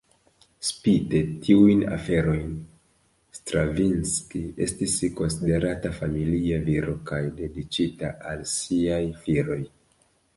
Spite tiujn aferojn, Stravinski estis konsiderata familia viro kaj dediĉita al siaj filoj.